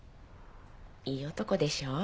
いい男でしょう？